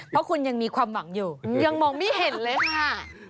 เพราะคุณยังมีความหวังอยู่ยังมองไม่เห็นเลยค่ะ